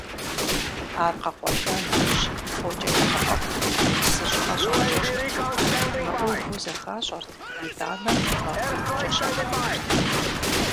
Ар къэкъуэлъа нэужь фокIэ ягъэIэфIт, псы щIыIэ щIакIэжырти, мыIуву зэхащIэрт, итIанэ махуитIкIэ щагъэтыжт.